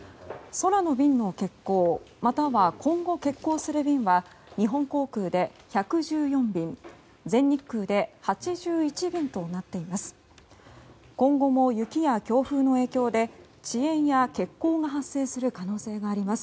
空の便の欠航または今後欠航する便は日本航空で１１４便全日空で８１便となっています。